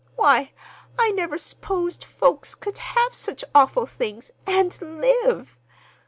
Why, I never s'posed folks could have such awful things, and live!